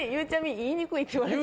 言いにくいって言われた。